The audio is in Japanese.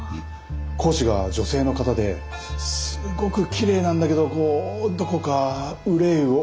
講師が女性の方ですごくきれいなんだけどこうどこか愁いを帯びてるっていうか。